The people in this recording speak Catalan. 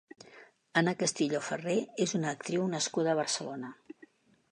Anna Castillo Ferré és una actriu nascuda a Barcelona.